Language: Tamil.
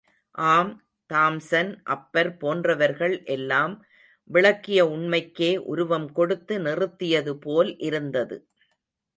ஆம், தாம்ஸன், அப்பர் போன்றவர்கள் எல்லாம் விளக்கிய உண்மைக்கே உருவம் கொடுத்து நிறுத்தியது போல் இருந்தது.